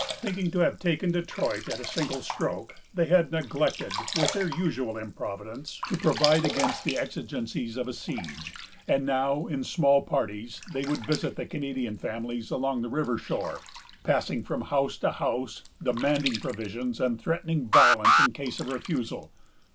Thinking to have taken Detroit at a single stroke, they had neglected, with their usual improvidence, to provide against the exigencies of a siege; and now, in small parties, they would visit the Canadian families along the river shore, passing from house to house, demanding provisions, and threatening violence in case of refusal.